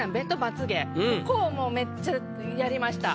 ここをめっちゃやりました。